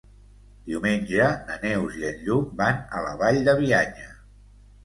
Diumenge na Neus i en Lluc van a la Vall de Bianya.